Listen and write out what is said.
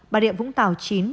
bà điệm vũng tàu chín